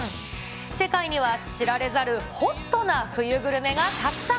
世界には知られざるホットな冬グルメがたくさん。